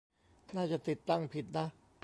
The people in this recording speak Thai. น่าจะติดตั้งผิดนะ